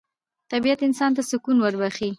طبیعت انسان ته سکون وربخښي